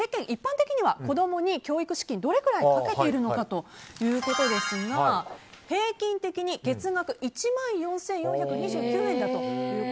一般的には子供に教育資金をどれくらいかけているのかということですが平均的に月額１万４４２９円だと。